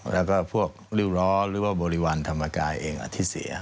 แล้วก็พวกริ้วล้อหรือว่าบริวารธรรมกายเองที่เสีย